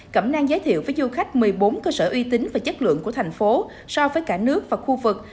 cẩm nang giới thiệu với du khách một mươi bốn cơ sở uy tín và chất lượng của thành phố so với cả nước và khu vực